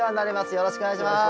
よろしくお願いします。